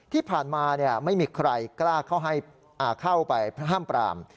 ที่ผ่านมาไม่มีใครกล้าเข้าไปห้ามปราม